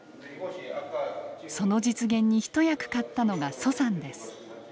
その実現に一役買ったのが徐さんです。